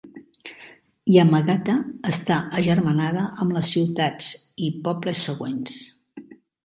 Yamagata està agermanada amb les ciutats i pobles següents.